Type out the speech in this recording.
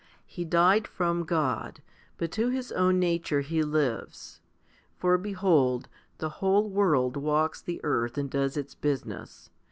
He died from God, but to his own nature he lives. For behold, the whole world walks the earth, and does its business.